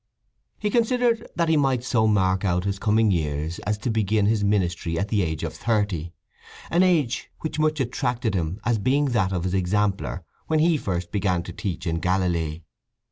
He considered that he might so mark out his coming years as to begin his ministry at the age of thirty—an age which much attracted him as being that of his exemplar when he first began to teach in Galilee.